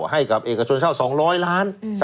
ให้กับเอกชนเช่า๒๐๐ล้าน